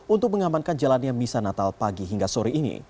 untuk mengamankan jalannya misanatal pagi hingga sore ini